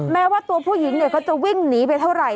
แม้ว่าตัวผู้หญิงเนี่ยก็จะวิ่งหนีไปเท่าไหร